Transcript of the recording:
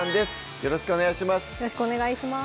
よろしくお願いします